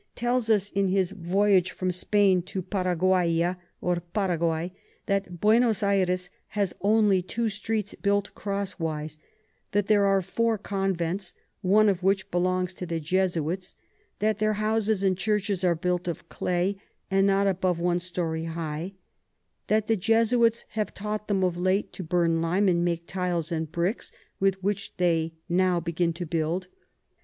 tells us in his Voyage from Spain to Paraquaria or Paraguay, that Buenos Ayres has only two Streets built crosswise; that there are four Convents, one of which belongs to the Jesuits; that their Houses and Churches are built of Clay, and not above one Story high; that the Jesuits have taught them of late to burn Lime, and make Tiles and Bricks, with which they now begin to build.